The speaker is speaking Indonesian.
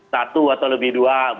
satu atau lebih dua